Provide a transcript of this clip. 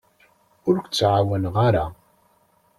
Ur k-ttɛawaneɣ ara.